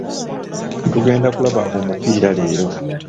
Tugenda kulaba omupiira leero.